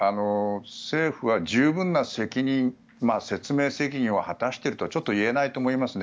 政府は十分な説明責任を果たしているとはちょっと言えないと思いますね。